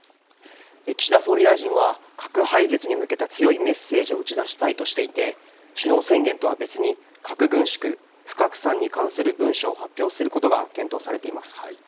岸田総理大臣は核廃絶に向けた強いメッセージを打ち出したいとしていて首脳宣言とは別に核軍縮・不拡散に関する文書を発表することが検討されています。